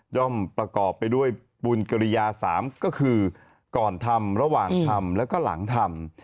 ประกอบไปด้วยบุญกริยา๓ก็คือก่อนทำระหว่างทำแล้วก็หลังทำ